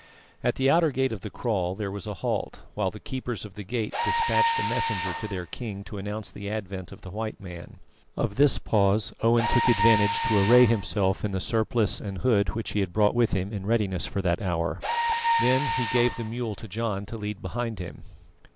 At the outer gate of the kraal there was a halt, while the keepers of the gate despatched a messenger to their king to announce the advent of the white man. Of this pause Owen took advantage to array himself in the surplice and hood which he had brought with him in readiness for that hour. Then he gave the mule to John to lead behind him.